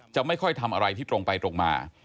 ไม่ค่อยทำอะไรที่ตรงไปตรงมา